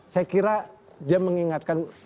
saya kira dia mengingatkan